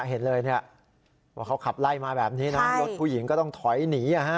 เห็นเลยว่าเขาขับไล่มาแบบนี้นะรถผู้หญิงก็ต้องถอยหนี